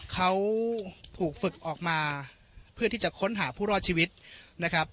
เขาถูกฝึกออกมาเพื่อที่จะค้นหาผู้รอดชีวิตนะครับ